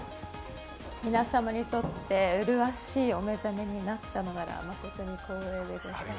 皆様にとって麗しいお目覚めになったのなら、誠に光栄でございます。